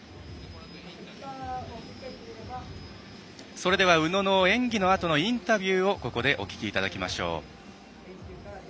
それでは、宇野の演技のあとのインタビューをここでお聞きいただきましょう。